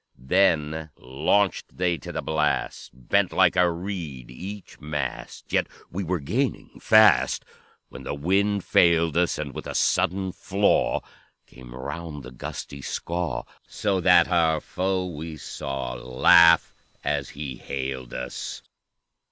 "Then launched they to the blast, Bent like a reed each mast, Yet we were gaining fast, When the wind failed us; And with a sudden flaw Came round the gusty Skaw, So that our foe we saw Laugh as he hailed us.